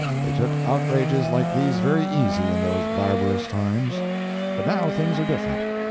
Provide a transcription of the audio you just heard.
They took outrages like these very easy in those barbarous times. But now things are different.